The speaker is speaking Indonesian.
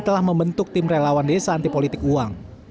setelah membentuk tim relawan desa anti politik uang